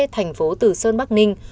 thành phố từ sơn bắc ninh